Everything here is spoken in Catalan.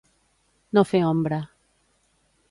No fer ombra.